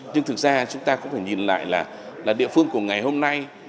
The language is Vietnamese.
nhưng thực ra chúng ta cũng phải nhìn lại là địa phương của ngày hôm nay